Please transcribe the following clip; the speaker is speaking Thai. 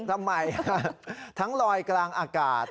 ทำไมทั้งลอยกลางอากาศ